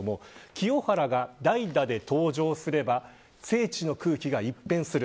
清原が代打で登場すれば聖地の空気が一変する。